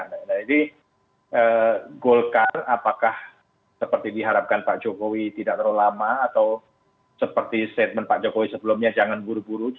jadi golkar apakah seperti diharapkan pak jokowi tidak terlalu lama atau seperti statement pak jokowi sebelumnya jangan buru buru